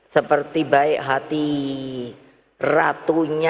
seperti baik hati ratunya pdi perjuangan